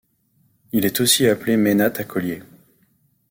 Il est aussi appelé Mainate à collier.